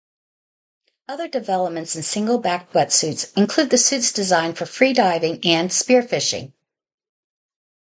Other developments in single-backed wetsuits include the suits designed for free-diving and spearfishing.